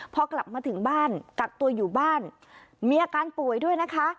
พอกลับมาถึงบ้านกักตัวอยู่บ้านมีอาการป่วยด้วยนะคะ